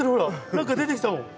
何か出てきたもん。